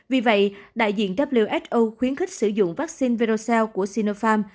vì vậy đại diện who khuyến khích sử dụng vắc xin verocell của sinopharm